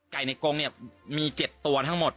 ไก่ในกรงเนี่ยมีเจ็ดตัวทั้งหมด